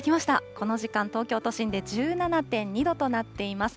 この時間、東京都心で１７．２度となっています。